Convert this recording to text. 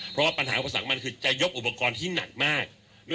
เพราะว่าปัญหาอุปสรรคมันคือจะยกอุปกรณ์ที่หนักมาก